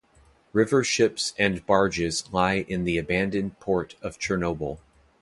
River ships and barges lie in the abandoned port of Chernobyl.